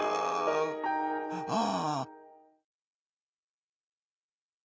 ああ。